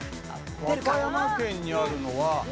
和歌山県にあるのは。